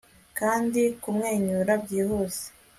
kandi kumwenyura byihuse